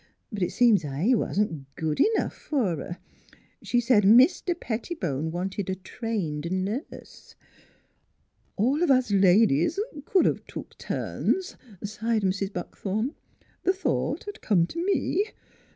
But it seems / wasn't good enough f'r her. She said Mis ter Pettibone wanted a trained nurse." " All of us ladies c'd 'a' took turns," sighed Mrs. Buckthorn. " The thought 'd come t' me.